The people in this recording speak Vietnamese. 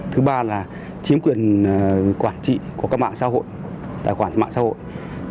thứ ba là chiếm quyền quản trị của các mạng xã hội tài khoản mạng xã hội